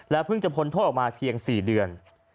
เพิ่งจะพ้นโทษออกมาเพียง๔เดือน